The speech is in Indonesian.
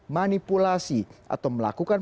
manipulasi atau melakukan